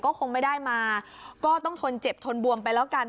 ก็คงไม่ได้มาก็ต้องทนเจ็บทนบวมไปแล้วกัน